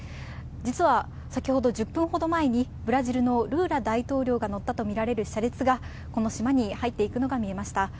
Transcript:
実は、先ほど１０分ほど前に、ブラジルのルーラ大統領が乗ったと見られる車列が、この島に入っていくのが見えました。